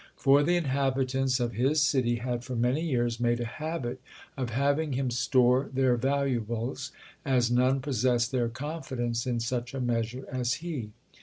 For the inhabitants of his city had for many years made a habit of having him store their valuable, as none possessed their confidence in such a measure as he.